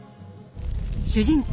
主人公